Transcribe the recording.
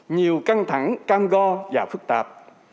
nhiều căng thẳng cam go và phức tạp